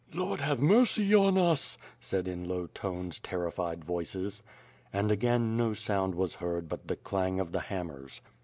"Lord have mercy on us," said in low tones terrified voices. And again, no sound was heard but the clang of the ham mers.